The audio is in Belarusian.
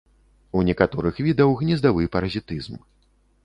У некаторых відаў гнездавы паразітызм.